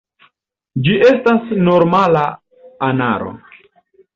Ĝi estas normala anaro.